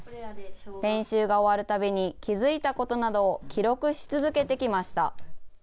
練習が終わるたびに気付いたことなどを記録し続けてきました。